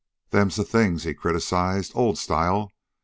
"Them's the things," he criticized. "Old style.